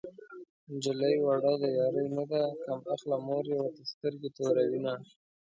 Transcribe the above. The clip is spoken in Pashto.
نجلۍ وړه د يارۍ نه ده کم عقله مور يې ورته سترګې توروينه